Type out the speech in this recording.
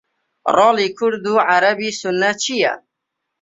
ڕۆڵی کورد و عەرەبی سوننە چییە؟